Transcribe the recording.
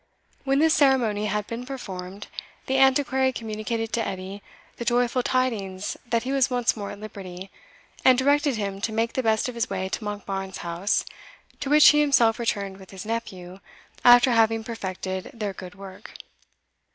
When this ceremony had been performed, the Antiquary communicated to Edie the joyful tidings that he was once more at liberty, and directed him to make the best of his way to Monkbarns House, to which he himself returned with his nephew, after having perfected their good work.